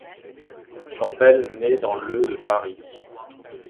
Champeil naît dans le de Paris.